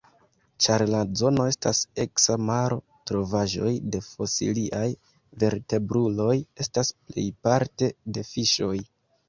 Ĉar la zono estas eksa maro, trovaĵoj de fosiliaj vertebruloj estas plejparte de fiŝoj.